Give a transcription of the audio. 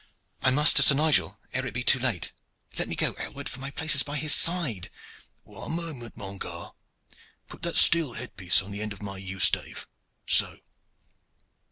I must to Sir Nigel ere it be too late. Let me go, Aylward, for my place is by his side." "One moment, mon gar. Put that steel head piece on the end of my yew stave. So!